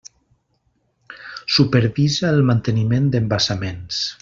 Supervisa el manteniment d'embassaments.